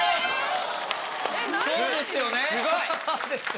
すごい！